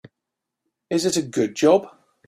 Is it a good job?